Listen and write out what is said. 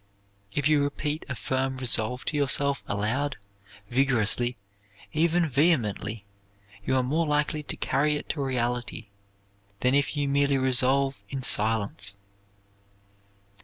If you repeat a firm resolve to yourself aloud, vigorously, even vehemently, you are more likely to carry it to reality than if you merely resolve in silence.